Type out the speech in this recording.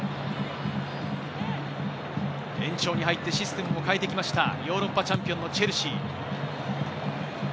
延長に入ってシステムを変えて来ましたヨーロッパチャンピオンのチェルシー。